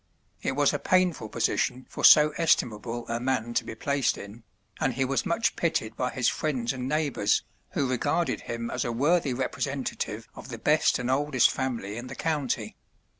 It was a painful position for so estimable a man to be placed in, and he was much pitied by his friends and neighbours, who regarded him as a worthy representative of the best and oldest family in the county.